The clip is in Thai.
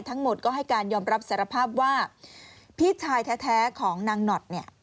ทั้งหมดก็ให้การยอมรับสารภาพว่าพี่ชายแท้ของนางหนอดเนี่ย